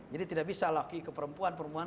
jadi tidak bisa laki ke perempuan